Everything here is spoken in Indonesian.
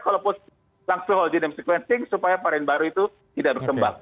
kalaupun langsung hold in and sequencing supaya varian baru itu tidak berkembang